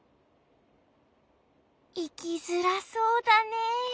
いきづらそうだねえ。